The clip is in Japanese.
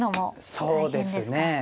そうですね。